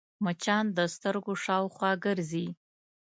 مچان د سترګو شاوخوا ګرځي